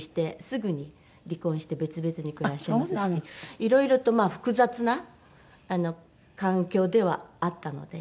いろいろとまあ複雑な環境ではあったので。